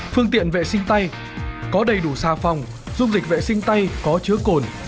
phương tiện vệ sinh tay có đầy đủ xà phòng dung dịch vệ sinh tay có chứa cồn